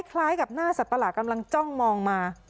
คล้ายกับหน้าสัตว์ประหลาดกำลังจ้องมองมา